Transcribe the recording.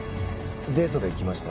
デートで来ました。